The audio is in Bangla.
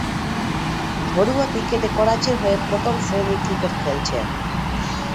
ঘরোয়া ক্রিকেটে করাচি’র হয়ে প্রথম-শ্রেণীর ক্রিকেট খেলছেন।